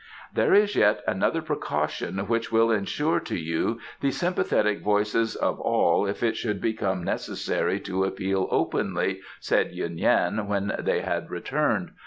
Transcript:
"There is yet another precaution which will ensure to you the sympathetic voices of all if it should become necessary to appeal openly," said Yuen Yan when they had returned.